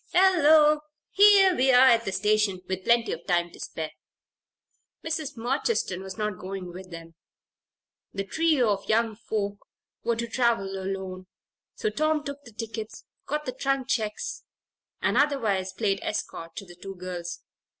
Hello! here we are at the station, with plenty of time to spare." Mrs. Murchiston was not going with them; the trio of young folk were to travel alone, so Tom took the tickets, got the trunk checks, and otherwise played escort to the two girls.